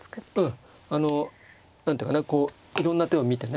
あの何ていうかなこういろんな手を見てね。